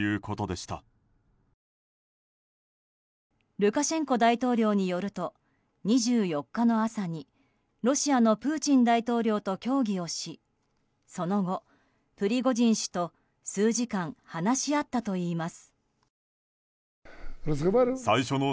ルカシェンコ大統領によると２４日の朝に、ロシアのプーチン大統領と協議をしその後、プリゴジン氏と数時間話し合ったといいます。